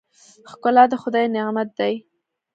ښکلا د خدای نعمت دی.